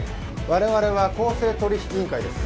われわれは公正取引委員会です。